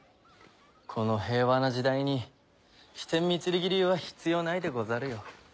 この平和な時代に飛天御剣流は必要ないでござるよ。